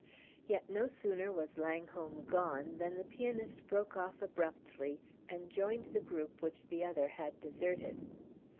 Yet no sooner was Langholm gone than the pianist broke off abruptly and joined the group which the other had deserted.